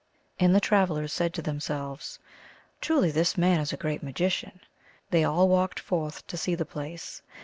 And the travelers said to themselves, " Truly this man is a great magician !" They all walked forth to see the place.